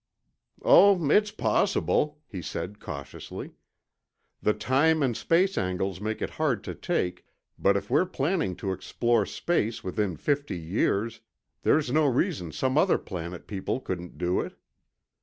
"Oh, it's possible," he said cautiously. "The time and space angles make it hard to take, but if we're planning to explore space within fifty years, there's no reason some other planet people couldn't do it.